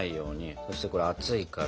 そしてこれ熱いから。